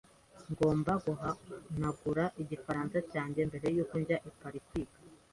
Ngomba guhanagura igifaransa cyanjye mbere yuko njya i Paris kwiga.